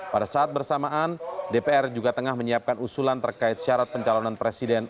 pada saat bersamaan dpr juga tengah menyiapkan usulan terkait syarat pencalonan presiden